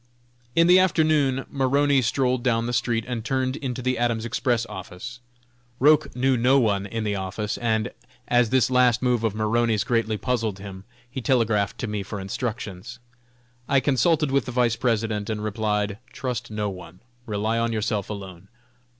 In the afternoon Maroney strolled down the street and turned into the Adams Express office. Roch knew no one in the office, and, as this last move of Maroney's greatly puzzled him, he telegraphed to me for instructions. I consulted with the Vice President, and replied: "Trust no one. Rely on yourself alone."